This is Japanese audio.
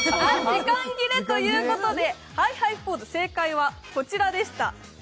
時間切れということで、ハイハイポーズ、正解はこちらでした。